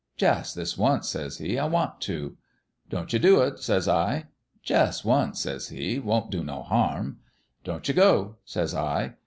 "' Jus' this once,' says he. ' I want to.' "' Don't you do it,' says I. "* Jus' once,' says he, ' won't do no harm.' "' Don't you go,' says I.